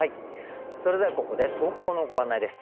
それではここで投稿のご案内です。